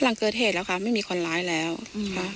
หลังเกิดเหตุแล้วค่ะไม่มีคนร้ายแล้วค่ะ